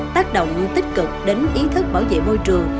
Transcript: tác động tích cực đến ý thức bảo vệ môi trường